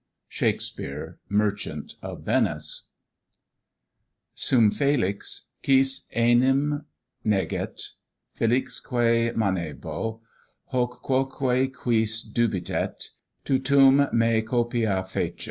SHAKESPEARE, Merchant of Venice. Sum felix; quis enim neget? felixque manebo: Hoc quoque quis dubitet? Tutum me copia fecit.